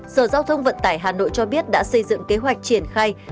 sở giao thông vận tải hà nội cho biết đã xây dựng kế hoạch triển khai